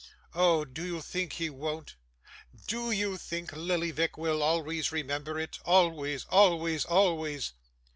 'Oh, do you think he won't? Do you think Lillyvick will always remember it always, always, always?